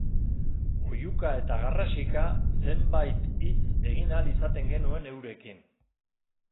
Oihuka eta garrasika zenbait hitz egin ahal izaten genuen eurekin.